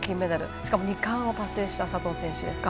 しかも２冠を達成した佐藤選手ですか。